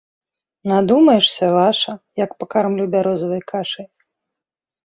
Надумаешся, ваша, як пакармлю бярозавай кашай.